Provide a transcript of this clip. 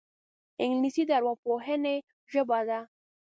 انګلیسي د ارواپوهنې ژبه ده